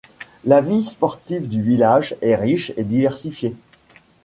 La vie sportive du village est riche et diversifiée.